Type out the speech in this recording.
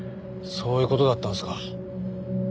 そういう事だったんですか。